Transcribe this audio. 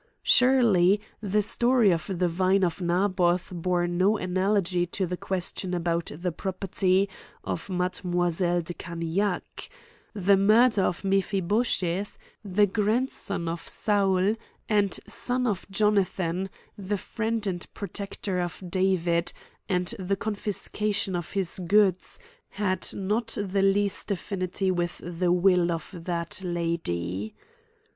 Surely, the story of the vine of Naboth boiWio analogy to the question about the property of Mademois elle de Canillac. The murder of Mephibosheth the grandson of Saul, and son of Jonathan, the friend and protector of David, and the confiscation of his goods, had not the. least affinity with the will of that lady.